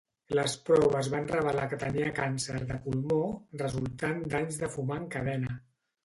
Les proves van revelar que tenia càncer de pulmó, resultat d'anys de fumar en cadena.